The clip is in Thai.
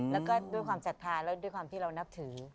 แล้วก็ด้วยความศรัทธาแล้วด้วยความที่เรานับถือ